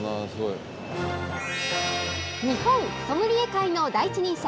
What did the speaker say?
日本ソムリエ界の第一人者